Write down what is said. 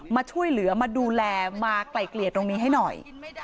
มาช่วยเหลือมาดูแลมาไกล่เกลี่ยตรงนี้ให้หน่อย